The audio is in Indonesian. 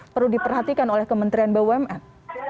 perlu diperhatikan oleh kementerian bumn